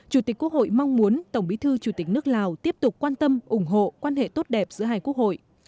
chủ tịch quốc hội mong muốn tổng bí thư chủ tịch nước lào tiếp tục quan tâm ủng hộ quan hệ tốt đẹp giữa hai quốc hội